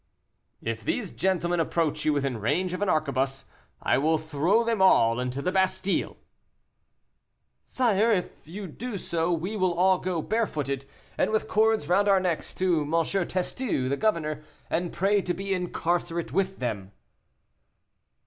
"If these gentlemen approach you within range of an arquebuse, I will throw them all into the Bastile." "Sire, if you do so we will all go barefooted, and with cords round our necks, to M. Testu, the governor, and pray to be incarcerate with them."